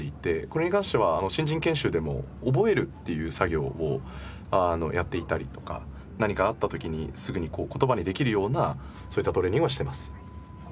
これに関しては新人研修でも覚えるっていう作業をやっていたりとか何かあった時にすぐにこう言葉にできるようなそういったトレーニングはしています。